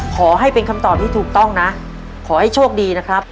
ขอให้เป็นคำตอบที่ถูกต้องนะขอให้โชคดีนะครับ